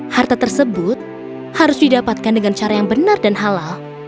harta tersebut harus didapatkan dengan cara yang benar dan halal